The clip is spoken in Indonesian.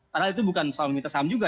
karena itu bukan soal meminta saham juga